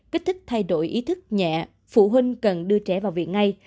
kích thích thay đổi ý thức nhẹ phụ huynh cần đưa trẻ vào viện ngay